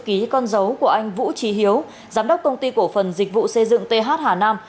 ký con dấu của anh vũ trí hiếu giám đốc công ty cổ phần dịch vụ xây dựng th hà nam